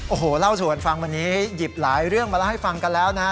โอ้โหเล่าสู่กันฟังวันนี้หยิบหลายเรื่องมาเล่าให้ฟังกันแล้วนะฮะ